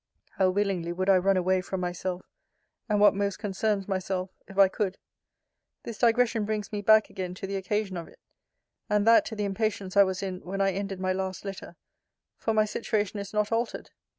How willingly would I run away from myself, and what most concerns myself, if I could! This digression brings me back again to the occasion of it and that to the impatience I was in, when I ended my last letter, for my situation is not altered.